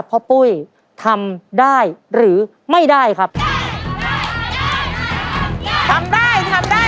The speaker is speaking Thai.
ปุ้ยทำได้หรือไม่ได้ครับทำได้ทำได้